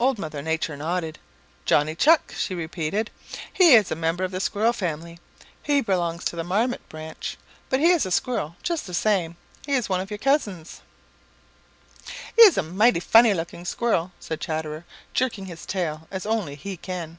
Old Mother Nature nodded. "Johnny Chuck," she repeated. "He is a member of the Squirrel family. He belongs to the Marmot branch, but he is a Squirrel just the same. He is one of your cousins." "He's a mighty funny looking Squirrel," said Chatterer, jerking his tail as only he can.